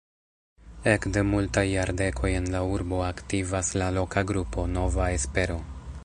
Ekde multaj jardekoj en la urbo aktivas la loka grupo "Nova Espero".